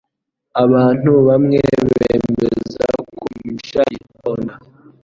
Abantu bamwe bemeza ko Mugisha yitonda